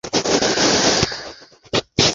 কিন্তু আপনাকে পড়া অতো কঠিন না।